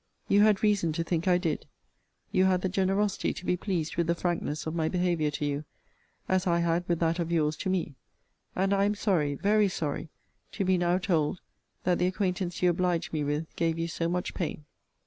You had reason to think I did. You had the generosity to be pleased with the frankness of my behaviour to you; as I had with that of your's to me; and I am sorry, very sorry, to be now told, that the acquaintance you obliged me with gave you so much pain.